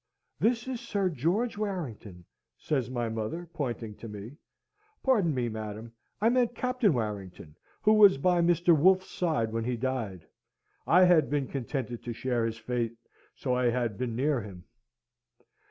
"This is Sir George Warrington," says my mother, pointing to me. "Pardon me, madam. I meant Captain Warrington, who was by Mr. Wolfe's side when he died. I had been contented to share his fate, so I had been near him."